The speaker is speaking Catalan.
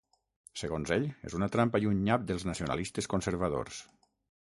Segons ell, és una trampa i un nyap dels nacionalistes conservadors.